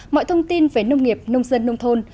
mọi thông tin về nông nghiệp nông dân nông thôn